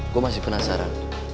gue masih penasaran